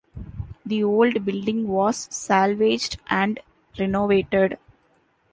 The old building was salvaged and renovated.